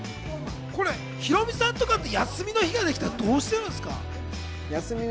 ヒロミさんとか、休みの日ができたら、どうしてるんですか？